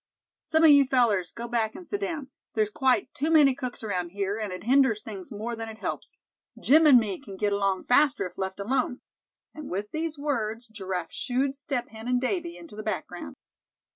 "Some of you fellers go back and sit down; there's quite too many cooks around here, and it hinders things more than it helps. Jim and me c'n get along faster if left alone," and with these words Giraffe "shooed" Step Hen and Davy into the background.